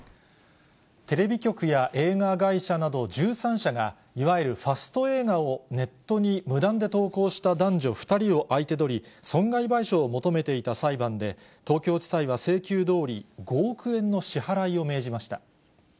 テレビ局や映画会社など１３社が、いわゆるファスト映画をネットに無断で投稿した男女２人を相手取り、損害賠償を求めていた裁判で、東京地裁は請求どおり、５億円の支払いを命じました。